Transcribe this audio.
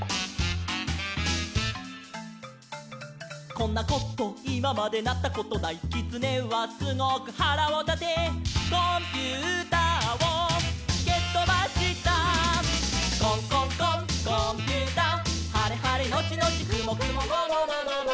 「こんなこといままでなったことない」「きつねはすごくはらをたて」「コンピューターをけとばした」「コンコンコンコンピューター」「はれはれのちのちくもくもももももももももも」